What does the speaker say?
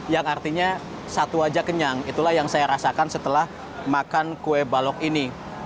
yang artinya satu aja kenyang itulah yang saya rasakan setelah makan kue balok ini